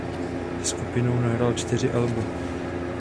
Se skupinou nahrál čtyři alba.